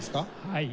はい。